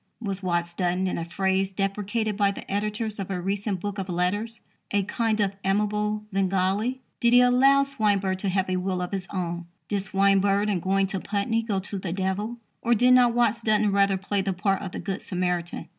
Was Watts Dunton, in a phrase deprecated by the editors of a recent book of letters, a "kind of amiable Svengali"? Did he allow Swinburne to have a will of his own? Did Swinburne, in going to Putney, go to the Devil? Or did not Watts Dunton rather play the part of the good Samaritan?